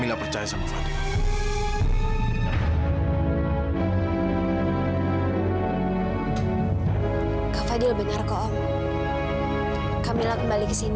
apa kamu serius